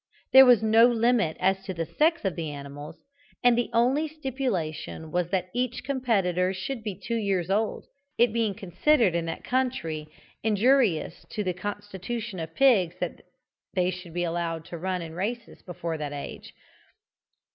There was no limit as to the sex of the animals, and the only stipulation was that each competitor should be two years old, it being considered in that country injurious to the constitution of pigs that they should be allowed to run in races before that age.